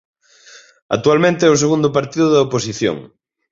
Actualmente é o segundo partido da oposición.